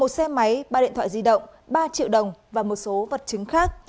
một xe máy ba điện thoại di động ba triệu đồng và một số vật chứng khác